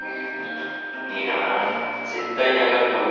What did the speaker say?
いいな絶対に上がる株か。